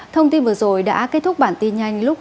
thông tin vừa rồi đã kết thúc bản tin nhanh lúc hai mươi h